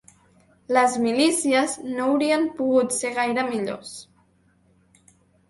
Les milícies no haurien pogut ser gaire millors